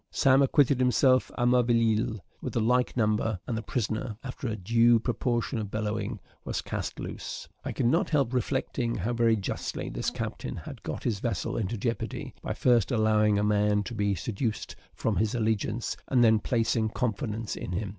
Sam acquitted himself à merveille with the like number; and the prisoner, after a due proportion of bellowing, was cast loose. I could not help reflecting how very justly this captain had got his vessel into jeopardy by first allowing a man to be seduced from his allegiance, and then placing confidence in him.